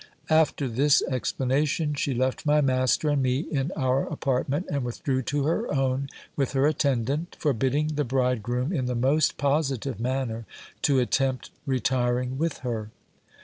After this explanation, she left my master and me in our apartment, and withdrew to her own with her attendant, forbidding the bridegroom, in the most positive manner, to attempt retiring with her.